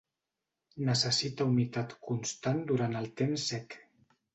Necessita humitat constant durant el temps sec.